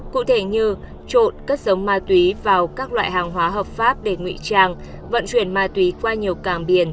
cụ thể như trộn cất giấu ma túy vào các loại hàng hóa hợp pháp để ngụy trang vận chuyển ma túy qua nhiều cảng biển